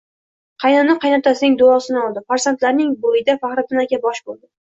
Qaynona-qaynotasining duosini oldi, farzandlarining to'yida Faxriddin aka bosh bo'ldi